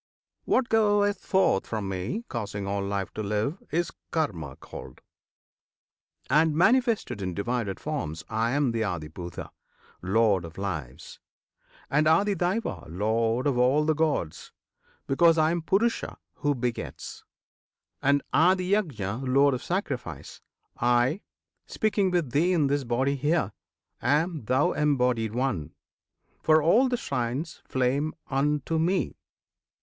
What goeth forth from Me, Causing all life to live, is KARMA called: And, Manifested in divided forms, I am the ADHIBHUTA, Lord of Lives; And ADHIDAIVA, Lord of all the Gods, Because I am PURUSHA, who begets. And ADHIYAJNA, Lord of Sacrifice, I speaking with thee in this body here Am, thou embodied one! (for all the shrines Flame unto Me!)